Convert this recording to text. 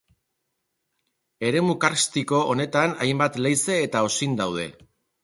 Eremu karstiko honetan hainbat leize eta osin daude.